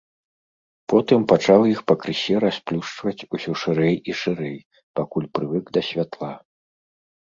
Потым пачаў іх пакрысе расплюшчваць усё шырэй і шырэй, пакуль прывык да святла.